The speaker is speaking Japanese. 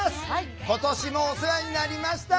今年もお世話になりました。